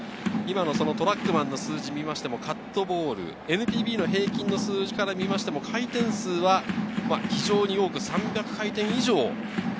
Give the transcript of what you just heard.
トラックマンの数字を見てもカットボール、ＮＰＢの平均の数字から見ても回転数は、非常に多く、３００回転以上。